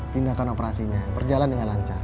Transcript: tindakan operasinya perjalanan lancar